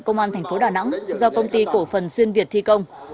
công an thành phố đà nẵng do công ty cổ phần xuyên việt thi công